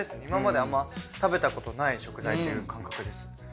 今まであんま食べたことない食材という感覚です。